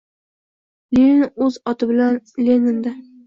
— Lenin o‘z oti o‘zi bilan Lenin-da.